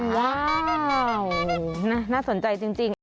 ว้าวน่าสนใจจริง